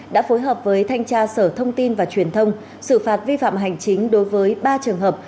đã phối hợp với thanh tra sở thông tin và truyền thông xử phạt vi phạm hành chính đối với ba trường hợp